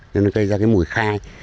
nó cây ra cái mùi khai